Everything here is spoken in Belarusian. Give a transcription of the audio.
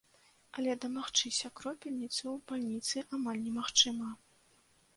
Але дамагчыся кропельніцы ў бальніцы амаль немагчыма.